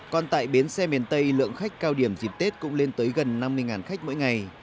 còn tại bến xe miền tây lượng khách cao điểm dịp tết cũng lên tới gần năm mươi khách mỗi ngày